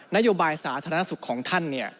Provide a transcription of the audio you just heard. นโยบายสาธารณสุขของท่าน